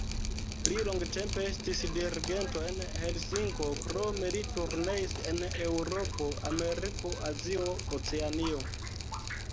Li longtempe estis dirigento en Helsinko, krome li turneis en Eŭropo, Ameriko, Azio, Oceanio.